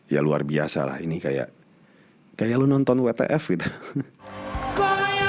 ya luar biasa lah ini kayak lo nonton wtf gitu